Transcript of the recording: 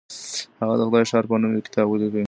هغه د خدای ښار په نوم يو کتاب وليکه.